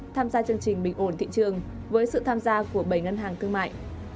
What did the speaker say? tham gia chương trình bình ổn thị trường với sự tham gia của bảy ngân hàng thương mại